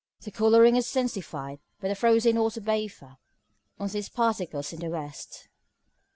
The colouring is intensified by the frozen water vapour on these particles in the west.